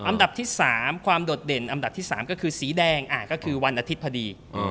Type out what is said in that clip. อันดับที่๓ความโดดเด่นอันดับที่๓ก็คือสีแดงก็คือวันอาทิตย์พอดี